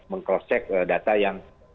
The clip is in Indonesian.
meng cross check data yang